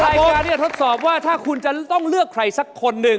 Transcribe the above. รายการที่จะทดสอบว่าถ้าคุณจะต้องเลือกใครสักคนหนึ่ง